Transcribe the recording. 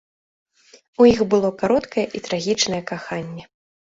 У іх было кароткае і трагічнае каханне.